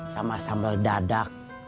sama sambal dadak